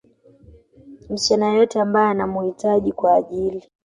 msichana yeyote ambaye anamuhitaji kwa ajili